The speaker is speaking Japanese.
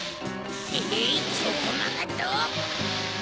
えいちょこまかと！